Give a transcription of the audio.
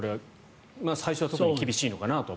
最初は厳しいのかなと。